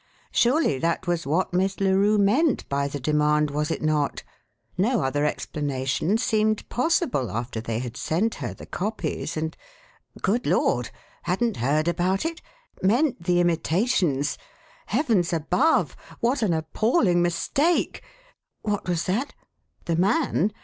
Surely that was what Miss Larue meant by the demand, was it not? No other explanation seemed possible after they had sent her the copies and Good Lord! hadn't heard about it? Meant the imitations? Heavens above, what an appalling mistake! What was that? The man?